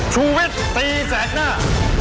ชูเวชตีแสดหน้า